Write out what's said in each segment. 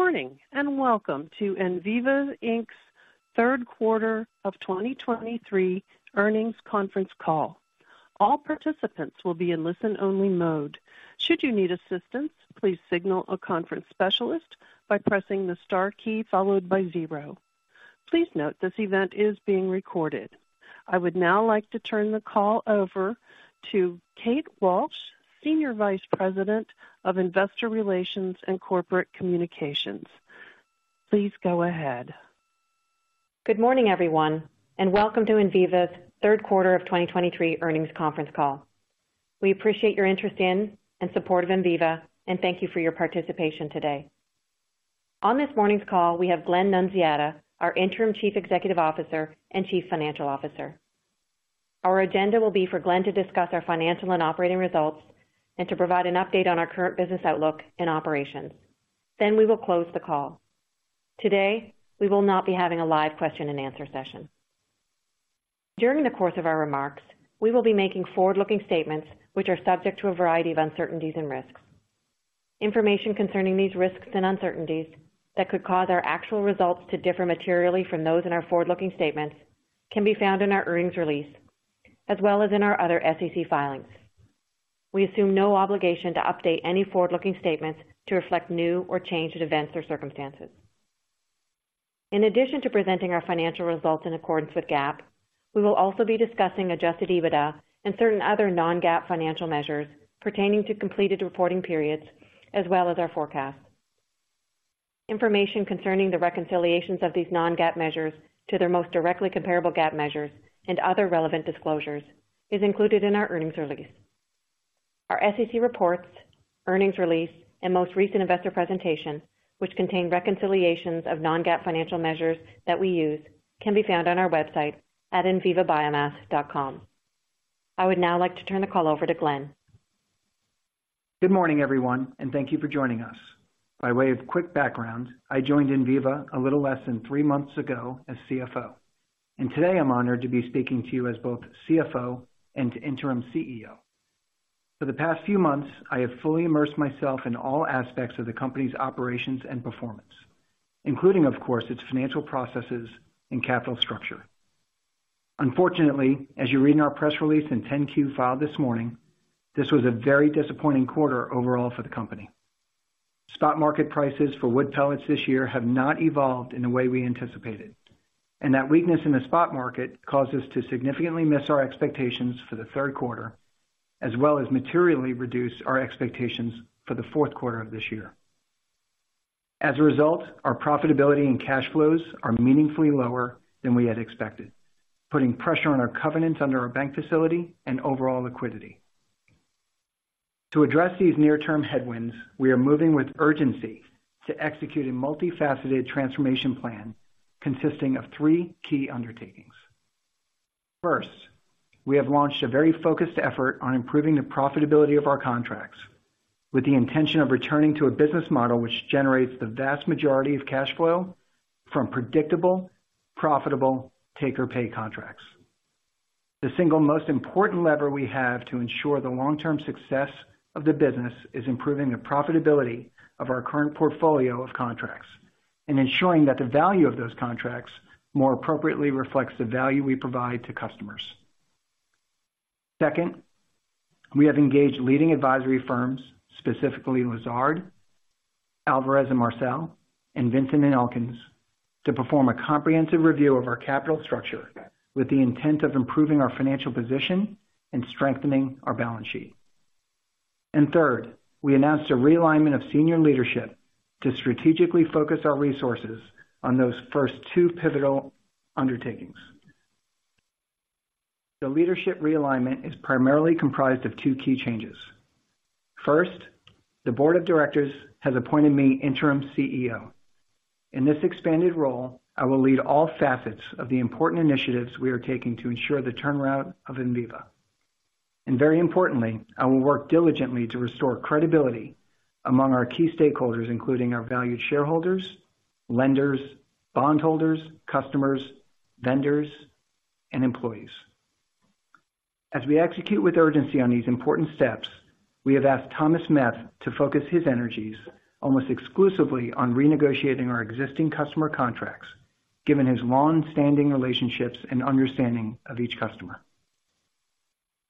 Good morning, and welcome to Enviva Inc.'s third quarter of 2023 earnings conference call. All participants will be in listen-only mode. Should you need assistance, please signal a conference specialist by pressing the star key followed by zero. Please note, this event is being recorded. I would now like to turn the call over to Kate Walsh, Senior Vice President of Investor Relations and Corporate Communications. Please go ahead. Good morning, everyone, and welcome to Enviva's third quarter of 2023 earnings conference call. We appreciate your interest in and support of Enviva, and thank you for your participation today. On this morning's call, we have Glenn Nunziata, our Interim Chief Executive Officer and Chief Financial Officer. Our agenda will be for Glenn to discuss our financial and operating results and to provide an update on our current business outlook and operations. Then we will close the call. Today, we will not be having a live question-and-answer session. During the course of our remarks, we will be making forward-looking statements that are subject to a variety of uncertainties and risks. Information concerning these risks and uncertainties that could cause our actual results to differ materially from those in our forward-looking statements can be found in our earnings release, as well as in our other SEC filings. We assume no obligation to update any forward-looking statements to reflect new or changed events or circumstances. In addition to presenting our financial results in accordance with GAAP, we will also be discussing Adjusted EBITDA and certain other non-GAAP financial measures pertaining to completed reporting periods, as well as our forecast. Information concerning the reconciliations of these non-GAAP measures to their most directly comparable GAAP measures and other relevant disclosures is included in our earnings release. Our SEC reports, earnings release, and most recent investor presentation, which contain reconciliations of non-GAAP financial measures that we use, can be found on our website at envivabiomass.com. I would now like to turn the call over to Glenn. Good morning, everyone, and thank you for joining us. By way of quick background, I joined Enviva a little less than three months ago as CFO, and today I'm honored to be speaking to you as both CFO and Interim CEO. For the past few months, I have fully immersed myself in all aspects of the company's operations and performance, including, of course, its financial processes and capital structure. Unfortunately, as you read in our press release and 10-Q filed this morning, this was a very disappointing quarter overall for the company. Spot market prices for wood pellets this year have not evolved in the way we anticipated, and that weakness in the spot market caused us to significantly miss our expectations for the third quarter, as well as materially reduce our expectations for the fourth quarter of this year. As a result, our profitability and cash flows are meaningfully lower than we had expected, putting pressure on our covenants under our bank facility and overall liquidity. To address these near-term headwinds, we are moving with urgency to execute a multifaceted transformation plan consisting of three key undertakings. First, we have launched a very focused effort on improving the profitability of our contracts with the intention of returning to a business model that generates the vast majority of cash flow from predictable, profitable take-or-pay contracts. The single most important lever we have to ensure the long-term success of the business is improving the profitability of our current portfolio of contracts and ensuring that the value of those contracts more appropriately reflects the value we provide to customers. Second, we have engaged leading advisory firms, specifically Lazard, Alvarez & Marsal, and Vinson & Elkins, to perform a comprehensive review of our capital structure with the intent of improving our financial position and strengthening our balance sheet. And third, we announced a realignment of senior leadership to strategically focus our resources on those first two pivotal undertakings. The leadership realignment is primarily comprised of two key changes. First, the Board of Directors has appointed me interim CEO. In this expanded role, I will lead all facets of the important initiatives we are taking to ensure the turnaround of Enviva. And very importantly, I will work diligently to restore credibility among our key stakeholders, including our valued shareholders, lenders, bondholders, customers, vendors, and employees. As we execute with urgency on these important steps, we have asked Thomas Meth to focus his energies almost exclusively on renegotiating our existing customer contracts, given his long-standing relationships and understanding of each customer.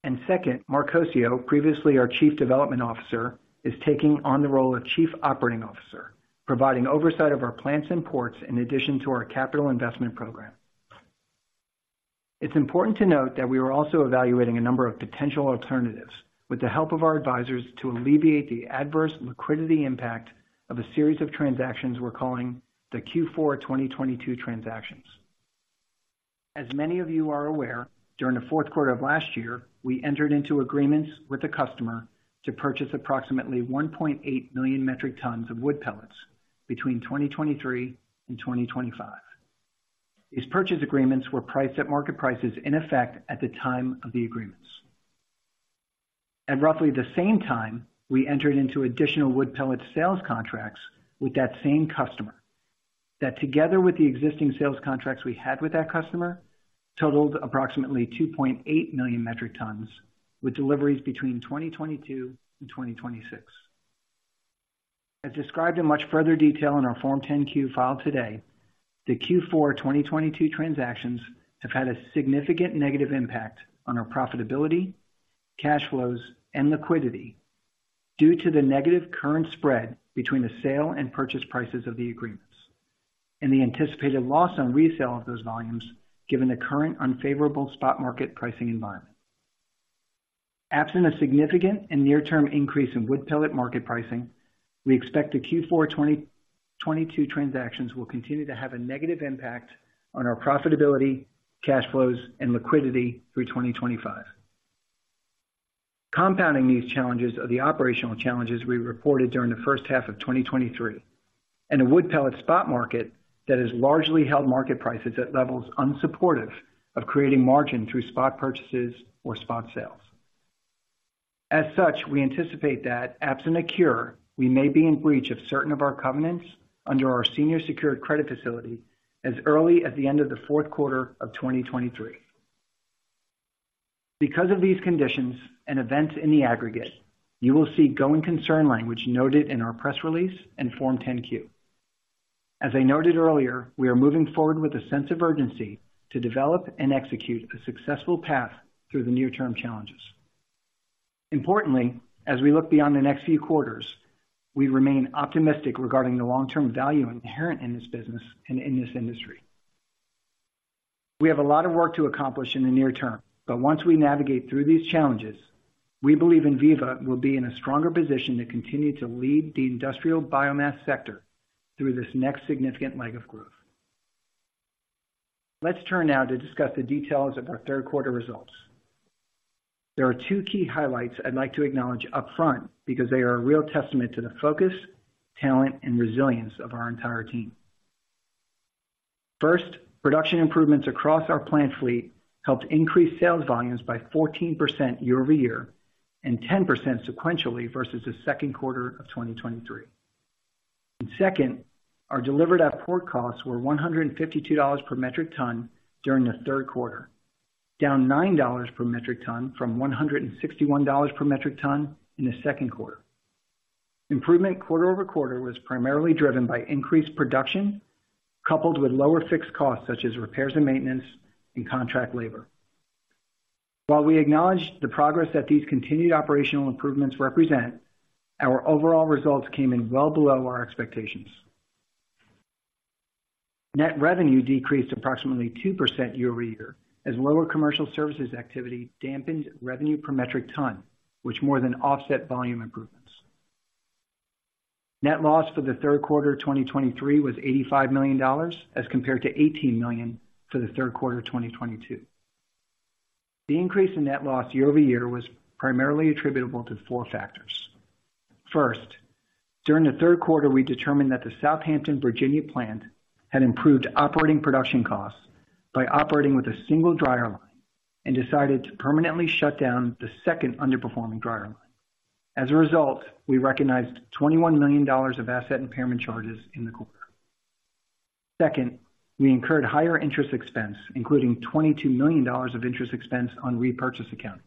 And second, Mark Coscio, previously our Chief Development Officer, is taking on the role of Chief Operating Officer, providing oversight of our plants and ports in addition to our capital investment program. It's important to note that we are also evaluating a number of potential alternatives with the help of our advisors to alleviate the adverse liquidity impact of a series of transactions we're calling the Q4 2022 transactions. As many of you are aware, during the fourth quarter of last year, we entered into agreements with the customer to purchase approximately 1.8 million metric tons of wood pellets between 2023 and 2025. These purchase agreements were priced at market prices in effect at the time of the agreements. At roughly the same time, we entered into additional wood pellet sales contracts with that same customer that, together with the existing sales contracts we had with that customer, totaled approximately 2.8 million metric tons, with deliveries between 2022 and 2026. As described in much further detail in our Form 10-Q filed today, the Q4 2022 transactions have had a significant negative impact on our profitability, cash flows, and liquidity due to the negative current spread between the sale and purchase prices of the agreements and the anticipated loss on resale of those volumes, given the current unfavorable spot market pricing environment. Absent a significant and near-term increase in wood pellet market pricing, we expect the Q4 2022 transactions to continue to have a negative impact on our profitability, cash flows, and liquidity through 2025. Compounding these challenges are the operational challenges we reported during the first half of 2023, and a wood pellet spot market that has largely held market prices at levels unsupportive of creating margin through spot purchases or spot sales. As such, we anticipate that, absent a cure, we may be in breach of certain of our covenants under our senior secured credit facility as early as the end of the fourth quarter of 2023. Because of these conditions and events in the aggregate, you will see going concern language noted in our press release and Form 10-Q. As I noted earlier, we are moving forward with a sense of urgency to develop and execute a successful path through the near-term challenges. Importantly, as we look beyond the next few quarters, we remain optimistic regarding the long-term value inherent in this business and in this industry. We have a lot of work to accomplish in the near term, but once we navigate through these challenges, we believe Enviva will be in a stronger position to continue to lead the industrial biomass sector through this next significant leg of growth. Let's turn now to discuss the details of our third quarter results. There are two key highlights I'd like to acknowledge upfront, because they are a real testament to the focus, talent, and resilience of our entire team. First, production improvements across our plant fleet helped increase sales volumes by 14% year-over-year and 10% sequentially versus the second quarter of 2023. Second, our delivered at port costs were $152 per metric ton during the third quarter, down $9 per metric ton from $161 per metric ton in the second quarter. Improvement quarter-over-quarter was primarily driven by increased production, coupled with lower fixed costs, such as repairs and maintenance, and contract labor. While we acknowledge the progress that these continued operational improvements represent, our overall results came in well below our expectations. Net revenue decreased approximately 2% year-over-year, as lower commercial services activity dampened revenue per metric ton, which more than offset volume improvements. Net loss for the third quarter of 2023 was $85 million, as compared to $18 million for the third quarter of 2022. The increase in net loss year over year was primarily attributable to four factors. First, during the third quarter, we determined that the Southampton, Virginia, plant had improved operating production costs by operating with a single dryer line and decided to permanently shut down the second underperforming dryer line. As a result, we recognized $21 million of asset impairment charges in the quarter. Second, we incurred higher interest expense, including $22 million of interest expense on repurchase accounts.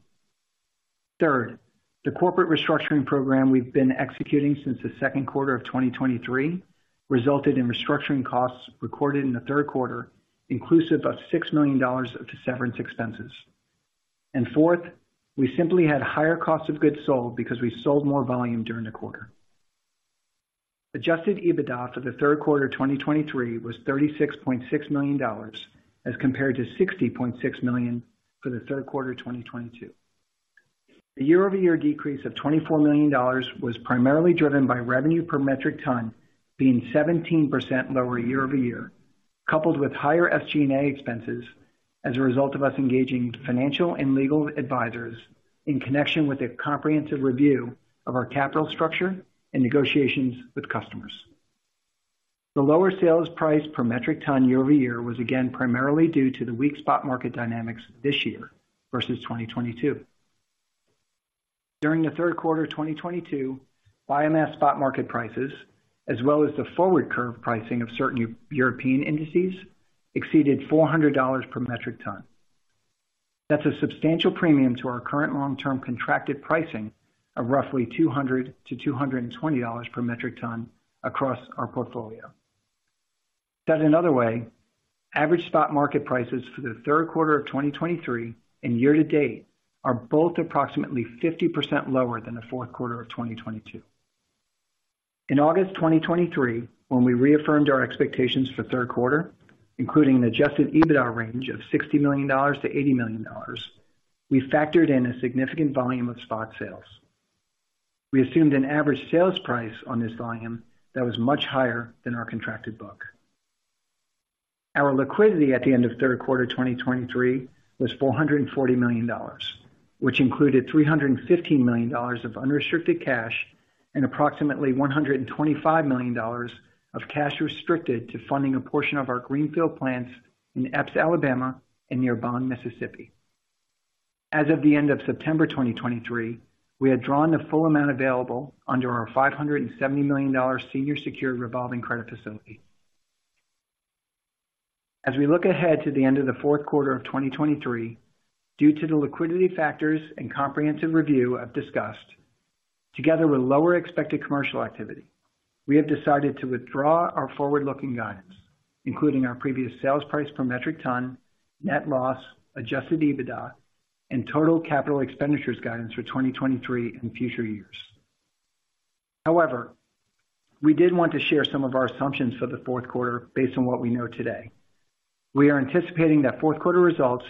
Third, the corporate restructuring program we've been executing since the second quarter of 2023 resulted in restructuring costs recorded in the third quarter, inclusive of $6 million of severance expenses. Fourth, we simply had higher costs of goods sold because we sold more volume during the quarter. Adjusted EBITDA for the third quarter of 2023 was $36.6 million, as compared to $60.6 million for the third quarter of 2022. The year-over-year decrease of $24 million was primarily driven by revenue per metric ton being 17% lower year-over-year, coupled with higher SG&A expenses as a result of our engaging financial and legal advisors in connection with a comprehensive review of our capital structure and negotiations with customers. The lower sales price per metric ton year-over-year was again primarily due to the weak spot market dynamics this year versus 2022. During the third quarter of 2022, biomass spot market prices, as well as the forward curve pricing of certain European indices, exceeded $400 per metric ton. That's a substantial premium to our current long-term contracted pricing of roughly $200-$220 per metric ton across our portfolio. Said another way, average spot market prices for the third quarter of 2023 and year to date are both approximately 50% lower than the fourth quarter of 2022. In August 2023, when we reaffirmed our expectations for the third quarter, including an Adjusted EBITDA range of $60 million-$80 million, we factored in a significant volume of spot sales. We assumed an average sales price on this volume that was much higher than our contracted book. Our liquidity at the end of the third quarter 2023 was $440 million, which included $315 million of unrestricted cash and approximately $125 million of cash restricted to funding a portion of our greenfield plants in Epes, Alabama, and near Bond, Mississippi. As of the end of September 2023, we had drawn the full amount available under our $570 million senior secured revolving credit facility. As we look ahead to the end of the fourth quarter of 2023, due to the liquidity factors and comprehensive review I've discussed, together with lower expected commercial activity, we have decided to withdraw our forward-looking guidance, including our previous sales price per metric ton, net loss, Adjusted EBITDA, and total capital expenditures guidance for 2023 and future years. However, we did want to share some of our assumptions for the fourth quarter based on what we know today. We are anticipating that fourth quarter results,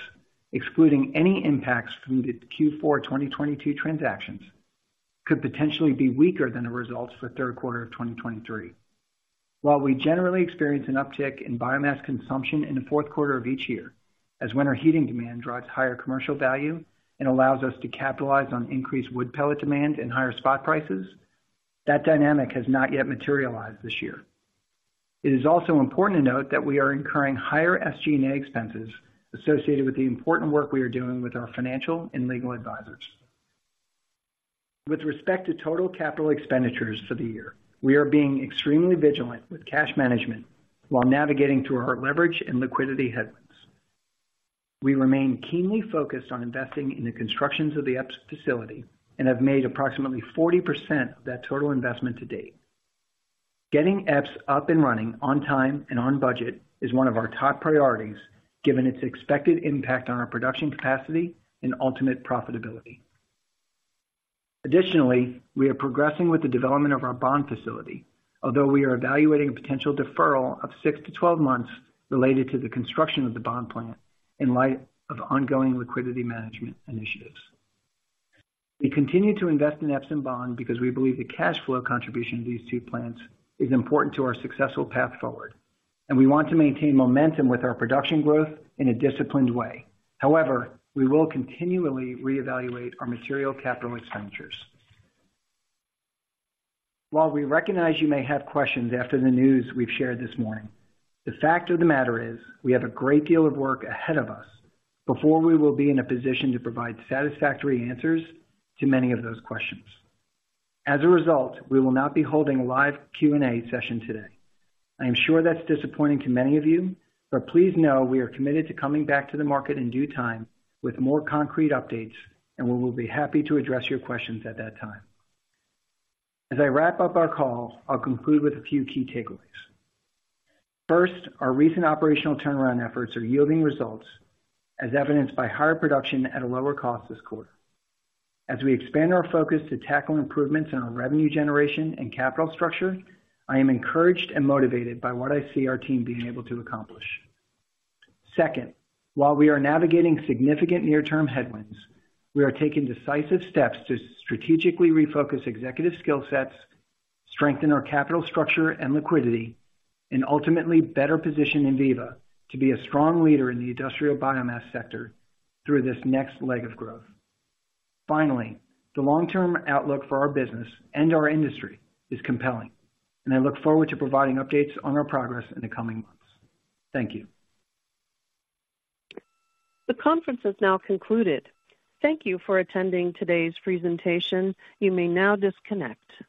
excluding any impacts from the Q4 2022 transactions, could potentially be weaker than the results for the third quarter of 2023. While we generally experience an uptick in biomass consumption in the fourth quarter of each year, as winter heating demand drives higher commercial value and allows us to capitalize on increased wood pellet demand and higher spot prices, that dynamic has not yet materialized this year. It is also important to note that we are incurring higher SG&A expenses associated with the important work we are doing with our financial and legal advisors. With respect to total capital expenditures for the year, we are being extremely vigilant with cash management while navigating through our leverage and liquidity headwinds. We remain keenly focused on investing in the construction of the Epes facility and have made approximately 40% of that total investment to date. Getting Epes up and running on time and on budget is one of our top priorities, given its expected impact on our production capacity and ultimate profitability. Additionally, we are progressing with the development of our Bond facility, although we are evaluating a potential deferral of six to 12 months related to the construction of the Bond plant in light of ongoing liquidity management initiatives. We continue to invest in Epes and Bond because we believe the cash flow contribution of these two plants is important to our successful path forward, and we want to maintain momentum with our production growth in a disciplined way. However, we will continually reevaluate our material capital expenditures. While we recognize you may have questions after the news we've shared this morning, the fact of the matter is, we have a great deal of work ahead of us before we will be in a position to provide satisfactory answers to many of those questions. As a result, we will not be holding a live Q&A session today. I am sure that's disappointing to many of you, but please know we are committed to coming back to the market in due time with more concrete updates, and we will be happy to address your questions at that time. As I wrap up our call, I'll conclude with a few key takeaways. First, our recent operational turnaround efforts are yielding results, as evidenced by higher production at a lower cost this quarter. As we expand our focus to tackle improvements in our revenue generation and capital structure, I am encouraged and motivated by what I see our team being able to accomplish. Second, while we are navigating significant near-term headwinds, we are taking decisive steps to strategically refocus executive skill sets, strengthen our capital structure and liquidity, and ultimately better position Enviva to be a strong leader in the industrial biomass sector through this next leg of growth. Finally, the long-term outlook for our business and our industry is compelling, and I look forward to providing updates on our progress in the coming months. Thank you. The conference has now concluded. Thank you for attending today's presentation. You may now disconnect.